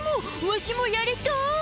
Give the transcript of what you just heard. わしもやりたい！